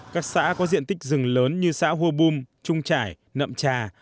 các xã có diện tích rừng lớn như xã hô bùm trung trải nậm trà